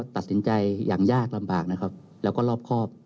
ตัดสินใจอย่างยากลำบากแล้วก็รอบคอบ